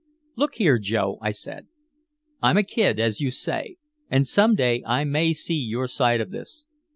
"Look here, Joe," I said. "I'm a kid, as you say, and some day I may see your side of this.